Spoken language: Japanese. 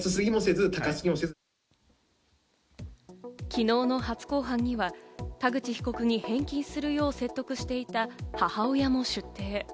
昨日の初公判には田口被告に返金するよう説得していた母親も出廷。